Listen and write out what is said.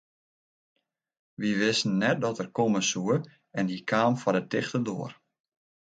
Wy wisten net dat er komme soe en hy kaam foar de tichte doar.